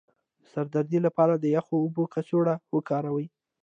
د سر د درد لپاره د یخو اوبو کڅوړه وکاروئ